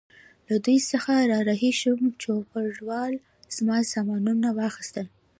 له دوی څخه را رهي شوم، چوپړوال زما سامانونه واخیستل.